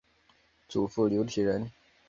祖父刘体仁。